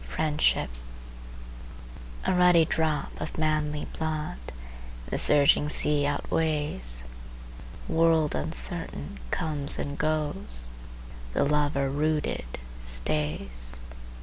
FRIENDSHIP A ruddy drop of manly blood The surging sea outweighs; The world uncertain comes and goes, The lover rooted stays.